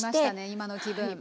今の気分。